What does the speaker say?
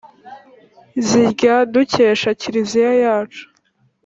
zirya dukesha kiliziya yacu